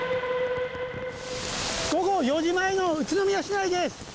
午後４時前の宇都宮市内です。